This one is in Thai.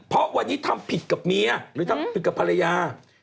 เพราะวันนี้ทำผิดกับเมียหรือทำผิดกับภรรยา